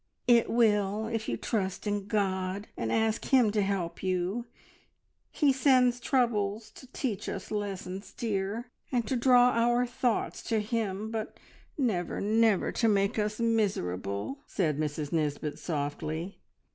"It will, if you trust in God and ask Him to help you. He sends troubles to teach us lessons, dear, and to draw our thoughts to Him, but never, never to make us miserable," said Mrs Nisbet softly.